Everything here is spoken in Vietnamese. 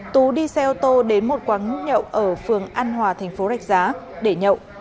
tú đi xe ô tô đến một quán nhậu ở phường an hòa thành phố rạch giá để nhậu